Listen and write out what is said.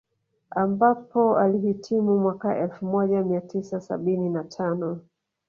Ambapo alihitimu mwaka elfu moja mia tisa sabini na tano